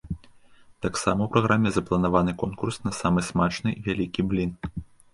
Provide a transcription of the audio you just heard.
Таксама ў праграме запланаваны конкурс на самы смачны і вялікі блін.